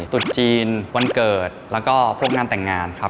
ตุดจีนวันเกิดแล้วก็พบงานแต่งงานครับ